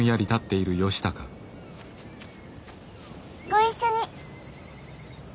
ご一緒に。